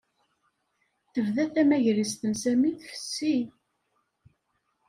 Tebda tamagrist n Sami tfessi.